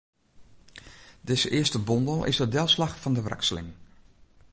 Dizze earste bondel is de delslach fan de wrakseling.